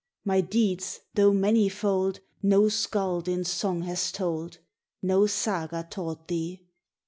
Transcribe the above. My deeds, though manifold, No Skald in song has told, No Saga taught thee!